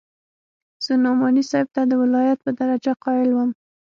زه نعماني صاحب ته د ولايت په درجه قايل وم.